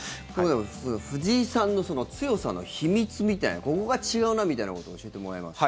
藤井さんの強さの秘密みたいなここが違うなみたいなこと教えてもらえますか。